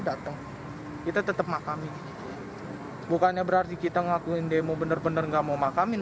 datang kita tetap makamin bukannya berarti kita ngakuin demo bener bener nggak mau makamin